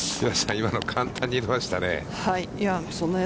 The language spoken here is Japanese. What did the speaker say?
今の簡単に入れましたね。